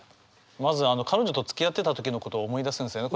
まず彼女とつきあってた時のことを思い出すんですよね